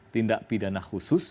tindak pidana khusus